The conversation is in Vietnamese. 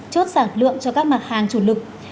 chốt sản lượng cho các mặt hàng chủ lực